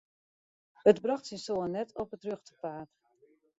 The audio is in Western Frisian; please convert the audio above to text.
It brocht syn soan net op it rjochte paad.